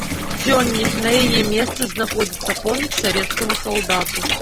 Сёння на яе месцы знаходзіцца помнік савецкаму салдату.